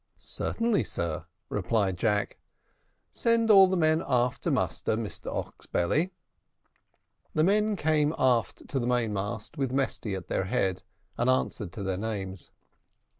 "Certainly, sir," replied Jack; "send all the men aft to muster, Mr Oxbelly." The men came aft to the mainmast, with Mesty at their head, and answered to their names.